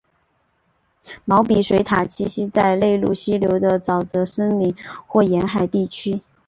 毛鼻水獭栖息在内陆溪流的沼泽森林或沿海地区。